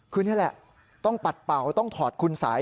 คือนี่แหละต้องปัดเป่าต้องถอดคุณสาย